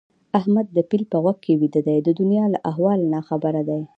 احمد د پيل په غوږ کې ويده دی؛ د دونيا له احواله ناخبره دي.